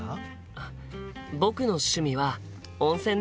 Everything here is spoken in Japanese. あっ僕の趣味は温泉です。